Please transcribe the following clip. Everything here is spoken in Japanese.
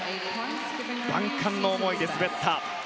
万感の思いで滑った。